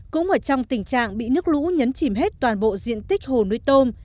cũng ở trong tình trạng bị nước lũ nhấn chìm hết toàn bộ diện tích hồ nuôi tôm